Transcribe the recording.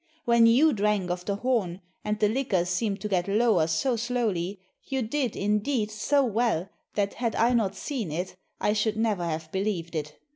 When you drank of the horn and the liquor seemed to get lower so slowly, you did, indeed, so well that had I not seen it, I should never have believed it.